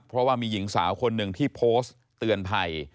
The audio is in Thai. เพราะว่ามีหญิงสาวคนหนึ่งที่โพสต์เตือนภัย